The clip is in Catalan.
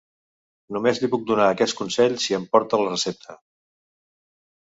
Només li puc donar aquest consell si em porta la recepta?